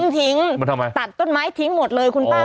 ทิ้งตัดต้นไม้ทิ้งหมดเลยคุณป้า